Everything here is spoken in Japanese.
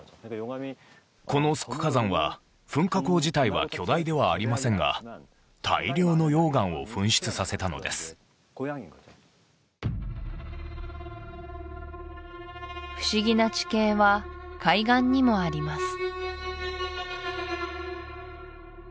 この側火山は噴火口自体は巨大ではありませんが大量の溶岩を噴出させたのです不思議な地形は海岸にもあります